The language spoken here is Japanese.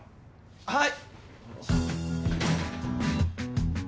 はい！